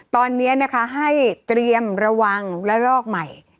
ตอนนี้นะคะให้เตรียมระวังและรอกใหม่